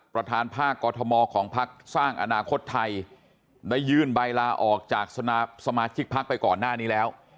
ประธานภาคกรทมของพักสร้างอนาคตไทยได้ยื่นใบลาออกจากสมาชิกพักไปก่อนหน้านี้แล้ว